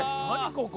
ここ！